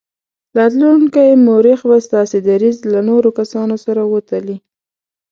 راتلونکی مورخ به ستاسې دریځ له نورو کسانو سره وتلي.